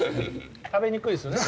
食べにくいですよね